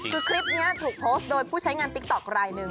คือคลิปนี้ถูกโพสต์โดยผู้ใช้งานติ๊กต๊อกรายหนึ่ง